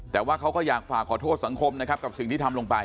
แต่ว่าเขาก็อยากฝากขอโทษสังคมนะครับกับสิ่งที่ทำลงไป